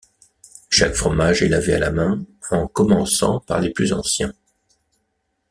Chaque fromage est lavé à la main, en commençant par les plus anciens.